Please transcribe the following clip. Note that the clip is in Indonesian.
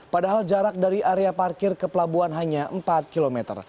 padahal jarak dari area parkir ke pelabuhan hanya empat km